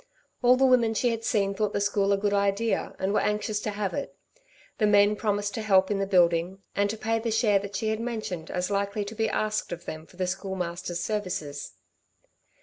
All the women she had seen thought the school a good idea and were anxious to have it; the men had promised to help in the building, and to pay the share that she had mentioned as likely to be asked of them for the Schoolmaster's services.